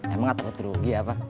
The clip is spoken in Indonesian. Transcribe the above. emang takut rugi apa